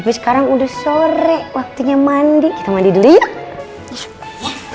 tapi sekarang udah sore waktunya mandi kita mandi dilihat